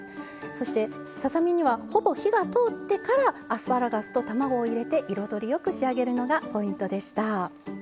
そしてささ身にはほぼ火が通ってからアスパラガスと卵を入れて彩りよく仕上げるのがポイントでした。